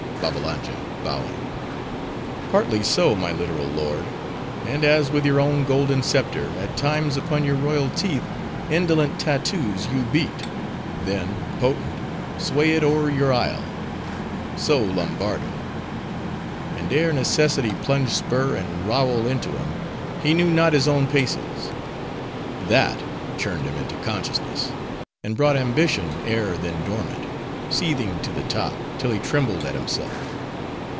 BABBALANJA (bowing)—Partly so, my literal lord. And as with your own golden scepter, at times upon your royal teeth, indolent tattoos you beat; then, potent, sway it o'er your isle; so, Lombardo. And ere Necessity plunged spur and rowel into him, he knew not his own paces. That churned him into consciousness; and brought ambition, ere then dormant, seething to the top, till he trembled at himself.